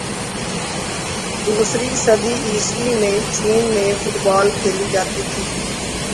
دوسری صدی عیسوی میں چین میں فٹبال کھیلی جاتی تھی۔